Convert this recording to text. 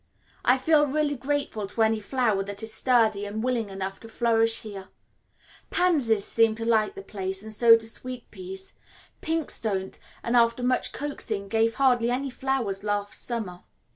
I feel really grateful to any flower that is sturdy and willing enough to flourish here. Pansies seem to like the place and so do sweet peas; pinks don't, and after much coaxing gave hardly any flowers last summer.